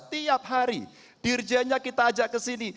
tiap hari dirjainya kita ajak kesini